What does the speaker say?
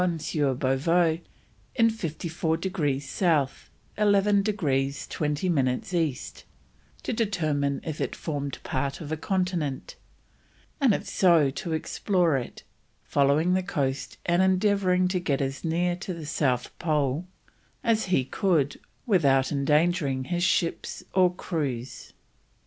Bouvet in 54 degrees South, 11 degrees 20 minutes East, to determine if it formed part of a continent, and if so to explore it, following the coast and endeavouring to get as near to the South Pole as he could without endangering his ships or crews.